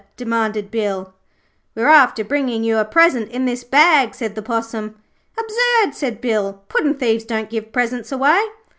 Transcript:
demanded Bill. 'We're after bringing you a present in this bag,' said the Possum. 'Absurd,' said Bill. 'Puddin' thieves don't give presents away.'